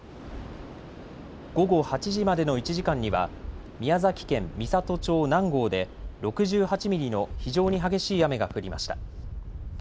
午後８時までの１時間には宮崎県美郷町南郷で６８ミリの非常に激しい雨が降りました。